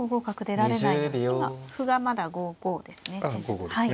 今歩がまだ５五ですね。